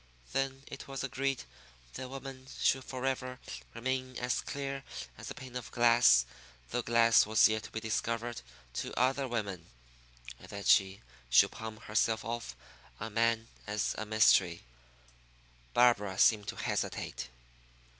Then it was agreed that woman should forever remain as clear as a pane of glass though glass was yet to be discovered to other women, and that she should palm herself off on man as a mystery. Barbara seemed to hesitate.